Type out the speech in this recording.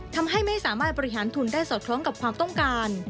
ทำให้ไม่สามารถบริหารทุนได้สอดคล้องกับความต้องการ